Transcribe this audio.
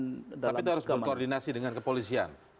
tapi itu harus berkoordinasi dengan kepolisian